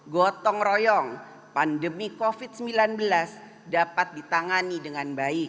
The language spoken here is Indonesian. gotong royong pandemi covid sembilan belas dapat ditangani dengan baik